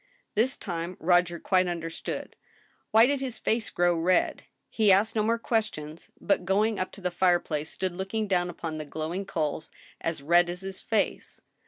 This time Roger quite understood. Why did his face grow red ? He asked no more questions, but, going up to the fireplace, stood looking down upon the glowing coals, as red as his face.